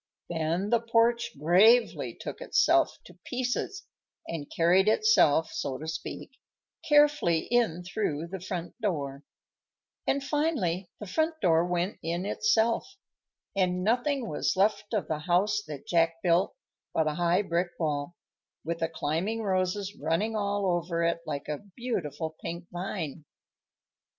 Then the porch gravely took itself to pieces and carried itself, so to speak, carefully in through the front door; and finally the front door went in itself, and nothing was left of the house that Jack built but a high brick wall, with the climbing roses running all over it like a beautiful pink vine.